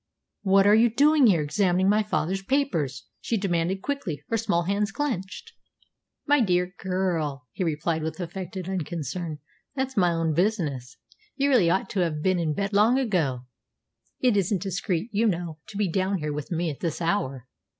"What are you doing there, examining my father's papers?" she demanded quickly, her small hands clenched. "My dear girl," he replied with affected unconcern, "that's my own business. You really ought to have been in bed long ago. It isn't discreet, you know, to be down here with me at this hour!"